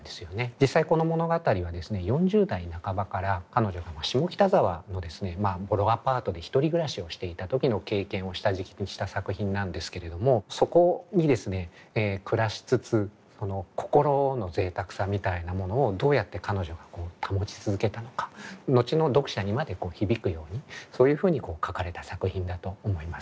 実際この物語はですね４０代半ばから彼女は下北沢のボロアパートで１人暮らしをしていた時の経験を下敷きにした作品なんですけれどもそこにですね暮らしつつその心の贅沢さみたいなものをどうやって彼女が保ち続けたのか後の読者にまで響くようにそういうふうに書かれた作品だと思います。